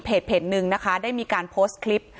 หนึ่งนะคะได้มีการโพสต์คลิป